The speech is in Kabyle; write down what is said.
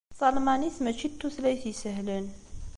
Talmanit mačči d tutlayt isehlen.